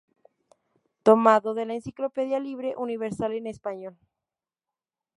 Tomado de la Enciclopedia Libre Universal en Español.